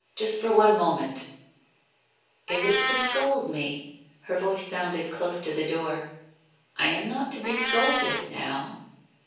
"Just for one moment !"" Is it to scold me ?" Her voice sounded close to the door. " I am not to be scolded — now."